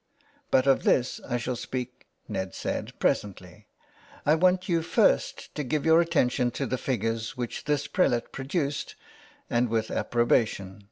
'' But of this I shall speak," Ned said, '' presently. I want you first to give your atten tion to the figures which this prelate produced, and 376 THE WILD GOOSE. with approbation.